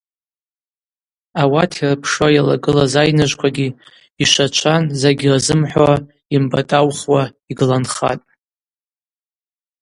Ауат йырпшуа йалагылаз айныжвквагьи йшвачван закӏгьи рзымхӏвахуа, йымпӏатӏаухуа йгыланхатӏ.